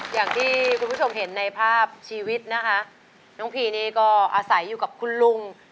อย่างที่คุณผู้ชมเห็นในภาพชีวิตนะคะน้องพีนี่ก็อาศัยอยู่กับคุณลุง